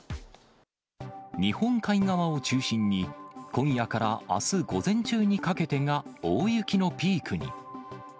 日本海側を中心に、今夜からあす午前中にかけてが大雪のピークに。